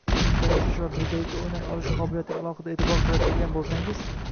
uning tanishish va birgalikda o‘ynay olish qobiliyatiga alohida e’tibor qaratadigan bo‘lsangiz